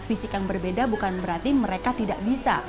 fisik yang berbeda bukan berarti mereka tidak bisa